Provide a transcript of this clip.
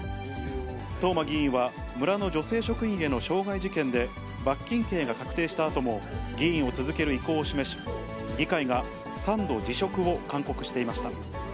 東間議員は村の女性職員への傷害事件で罰金刑が確定したあとも議員を続ける意向を示し、議会が３度辞職を勧告していました。